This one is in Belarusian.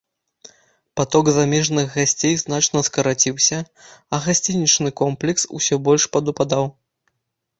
Паток замежных гасцей значна скараціўся, а гасцінічны комплекс усё больш падупадаў.